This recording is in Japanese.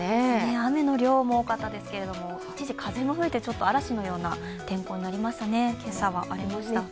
雨の量も多かったですけれども、一時風も吹いて、嵐のような天候になりましたね、今朝は荒れました。